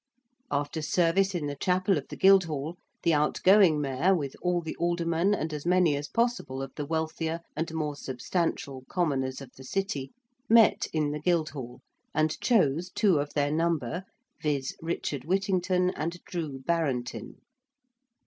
After service in the chapel of the Guildhall, the outgoing Mayor, with all the Aldermen and as many as possible of the wealthier and more substantial Commoners of the City, met in the Guildhall and chose two of their number, viz., Richard Whittington and Drew Barentyn.